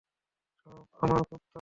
সব আমার কুত্তা ভাগ্য।